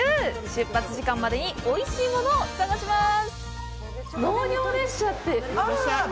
出発時間までにおいしいものを探します！